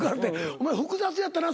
お前複雑やったな